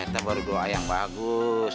tapi doain yang bagus